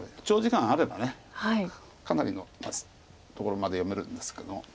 長時間あればかなりのところまで読めるんですけども。